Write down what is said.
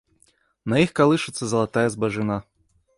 На іх калышацца залатая збажына.